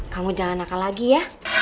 kamu jangan nakal lagi ya